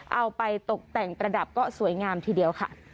เอาไปตกแต่งประดับก็สวยงามทีเดียวค่ะ